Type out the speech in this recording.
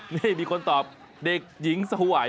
นี่มีคนตอบเด็กหญิงสวัย